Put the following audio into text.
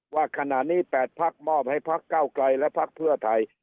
ว่าขณะนี้๘พักมอบให้พักเก้าไกลและพักเพื่อไทย